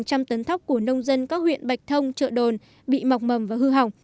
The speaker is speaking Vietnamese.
hàng trăm tấn thóc của nông dân các huyện bạch thông chợ đồn bị mọc mầm và hư hỏng